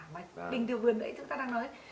bình tiêu vườn đấy chúng ta đang nói